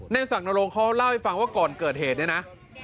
ศักดิรงเขาเล่าให้ฟังว่าก่อนเกิดเหตุเนี่ยนะ